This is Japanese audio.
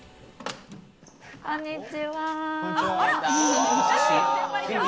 こんにちは。